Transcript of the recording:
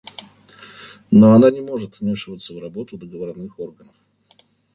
Но она не может вмешиваться в работу договорных органов.